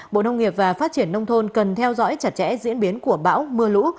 bộ nông nghiệp và phát triển nông thôn cần theo dõi chặt chẽ diễn biến của bão mưa lũ